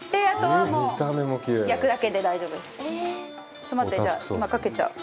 ちょっと待ってじゃあ今かけちゃう。